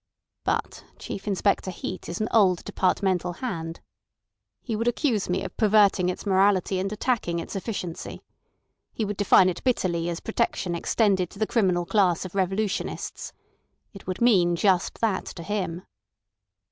But Chief Inspector Heat is an old departmental hand. He would accuse me of perverting its morality and attacking its efficiency. He would define it bitterly as protection extended to the criminal class of revolutionists. It would mean just that to him."